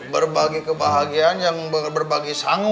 berbagi kebahagiaan yang berbagi sang